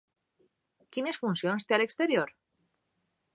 Quines funcions té a l'exterior?